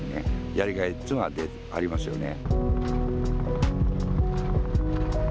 やりがいっつうのはありますよね。